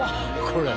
これ。